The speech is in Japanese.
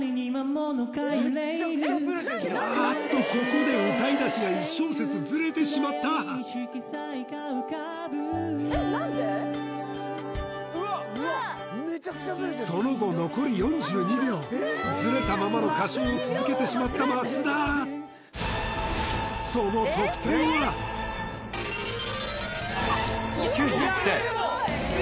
あっとここで歌い出しが１小節ズレてしまったその後残り４２秒ズレたままの歌唱を続けてしまった増田その９１点